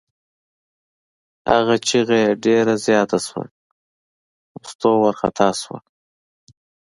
هغه چغه یې ډېره زیاته شوه، مستو وارخطا شوه.